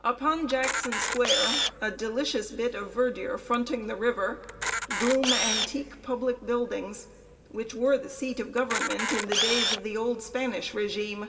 Upon Jackson Square, a delicious bit of verdure fronting the river, gloom antique public buildings, which were the seat of government in the days of the old Spanish régime.